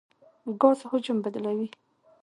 ګاز حجم بدلوي.